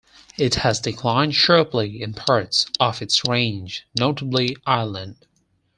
It has declined sharply in parts of its range, notably Ireland.